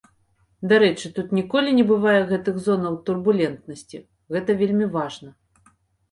Дарэчы, тут ніколі не бывае гэтых зонаў турбулентнасці, гэта вельмі важна.